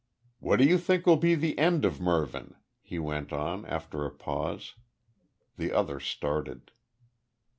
"What do you think will be the end of Mervyn?" he went on, after a pause. The other started.